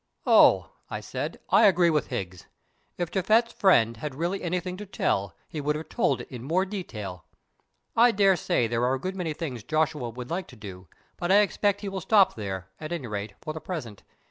"Oh!" I said, "I agree with Higgs. If Japhet's friend had really anything to tell he would have told it in more detail. I daresay there are a good many things Joshua would like to do, but I expect he will stop there, at any rate, for the present.